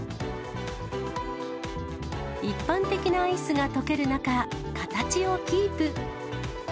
一般的なアイスが溶ける中、形をキープ。